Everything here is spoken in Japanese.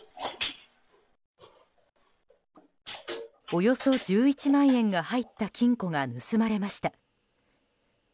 およそ１１万円が入った金庫が盗まれました。